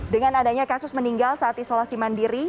dengan adanya kasus meninggal saat isolasi mandiri